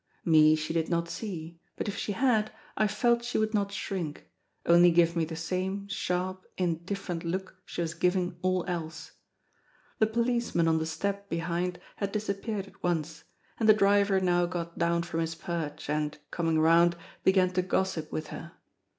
Me she did not see, but if she had I felt she would not shrink —only give me the same sharp, indifferent look she was giving all else. The policeman on the step behind had disappeared at once, and the driver now got down from his perch and, coming round, began to gossip with her.